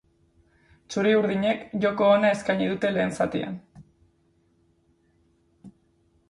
Txuri-urdinek joko ona eskaini dute lehen zatian.